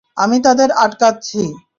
আমি তাদের আটকাচ্ছি।